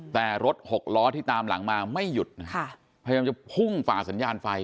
แต่รถหกล้อที่ตามหลังมาไม่หยุดนะคะพยายามจะพุ่งฝ่าสัญญาณไฟ